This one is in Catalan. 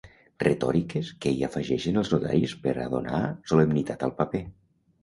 Retòriques que hi afegeixen els notaris pera donar solemnitat al paper